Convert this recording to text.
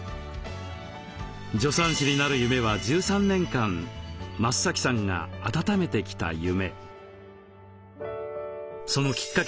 助産師になる夢は１３年間増さんがあたためてきた夢。